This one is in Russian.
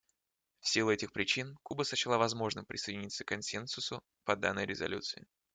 В силу этих причин Куба сочла возможным присоединиться к консенсусу по данной резолюции.